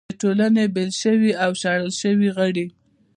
د ټولنې بېل شوي او شړل شوي غړي